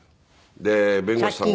で弁護士さんが。